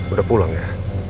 udah pulang ya